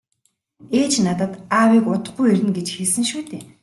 - Ээж надад аавыг удахгүй ирнэ гэж хэлсэн шүү дээ.